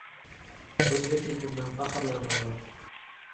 O‘zbekligimdan faxrlanaman... O‘zbekligimdan uyalaman...